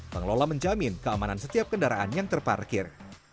pengelola menjamin keamanan setiap kendaraan yang terparkir